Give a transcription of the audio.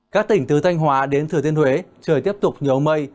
các tỉnh từ thanh hóa đến thừa thiên huế trời tiếp tục nhiều mây